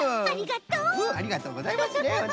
ありがとうございますね